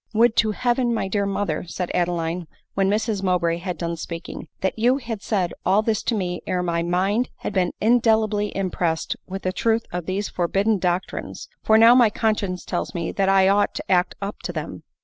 " Would to Heaven, my dear mother," said Adeline, when Mrs Mowbray had done speaking, " that you had said all this to me ere my mind had been indelibly im pressed with the truth of these forbidden doctrines ; for now my conscience tells me that I ought to act up to them